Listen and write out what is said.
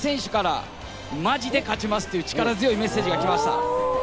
松田選手から「マジで勝ちます」という力強いメッセージが来ました。